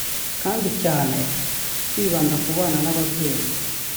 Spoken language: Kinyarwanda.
kandi cyane bibanda kubana n’ababyeyi